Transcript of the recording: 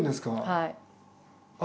はい。